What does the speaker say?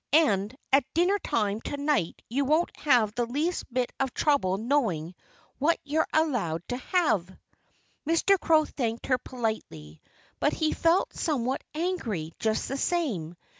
And at dinner time to night you won't have the least bit of trouble knowing what you're allowed to have." Mr. Crow thanked her politely. But he felt somewhat angry, just the same.